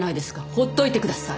ほっといてください。